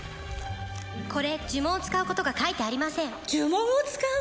これ呪文を使うことが書いてありません呪文を使う？